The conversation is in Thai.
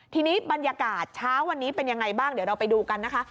ทีนี้บรรยากาศเช้าวันนี้เป็นยังไงบ้างเดี๋ยวเราไปดูกันนะคะ